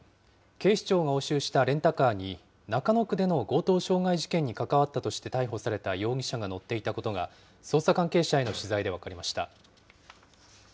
警視庁が押収したレンタカーに、中野区での強盗傷害事件に関わったとして逮捕された容疑者が乗っていたことが、捜査関係者への取材で分かりました。